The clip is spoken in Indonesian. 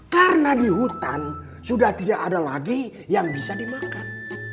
karena di hutan sudah tidak ada lagi yang bisa dimakan